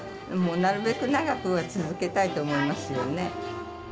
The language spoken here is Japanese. なるべく長く続けたいと思いますよね。